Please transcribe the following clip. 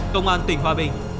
công an tỉnh hòa bình